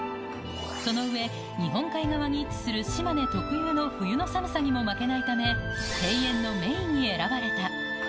その上、日本海側に位置する島根特有の冬の寒さにも負けないため、庭園のメインに選ばれた。